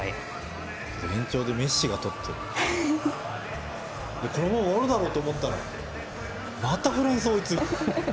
延長でメッシが立ってこのまま終わるだろうと思ったらまたフランスが追いついた。